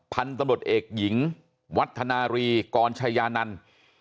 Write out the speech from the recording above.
พันธุ์ตำรวจเอกหญิงวัฒนารีกรชายานันต์